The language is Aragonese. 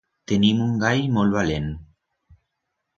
Tenim un gall molt valent.